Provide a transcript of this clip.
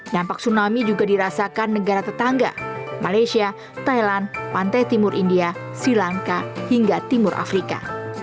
dampak tsunami juga dirasakan negara tetangga malaysia thailand pantai timur india sri lanka hingga timur afrika